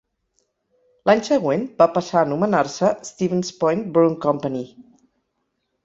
L'any següent, va passar a anomenar-se Stevens Point Brewing Company.